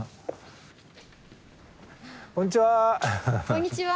こんにちは。